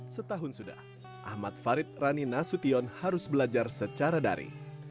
setahun sudah ahmad farid rani nasution harus belajar secara dari